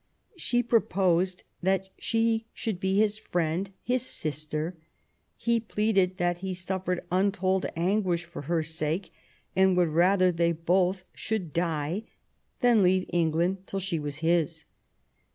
She proposed that she should be his friend, his sister: he pleaded that he suffered untold anguish for her sake, and would rather they both should die than leave England till she was his.